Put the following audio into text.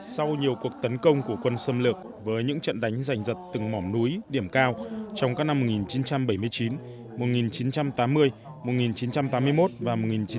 sau nhiều cuộc tấn công của quân xâm lược với những trận đánh giành giật từng mỏm núi điểm cao trong các năm một nghìn chín trăm bảy mươi chín một nghìn chín trăm tám mươi một nghìn chín trăm tám mươi một và một nghìn chín trăm bảy mươi năm